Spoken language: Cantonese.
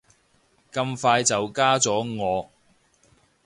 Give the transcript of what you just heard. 咁快就加咗我